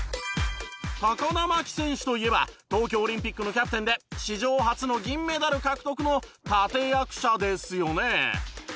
田真希選手といえば東京オリンピックのキャプテンで史上初の銀メダル獲得の立役者ですよね。